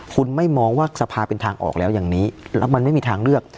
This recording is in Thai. คุณไม่มองว่าสภาเป็นทางออกแล้วอย่างนี้แล้วมันไม่มีทางเลือก